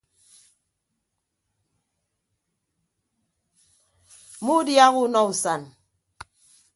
Mmuudiaha unọ usan.